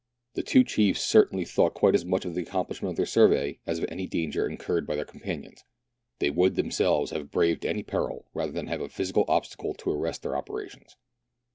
The two chiefs certainly thought quite as much of the accomplishment of their survey as of any danger incurred by their companions ; they would themselves have braved any peril rather than have a physical obstacle to arrest their operations.